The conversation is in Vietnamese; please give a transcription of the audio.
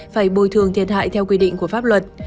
phải bồi thường thiệt hại theo quy định của pháp luật